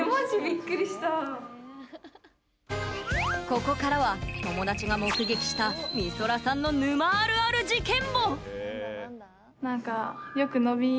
ここからは友達が目撃したみそらさんの沼あるある事件簿！